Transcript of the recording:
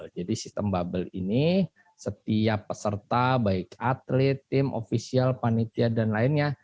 jadi sistem bubble ini setiap peserta baik atlet tim ofisial panitia dan lainnya